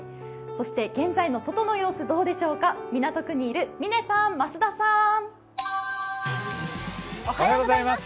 そして現在の外の様子どうでしょうか、港区にいる嶺さん、増田さん。おはようございます。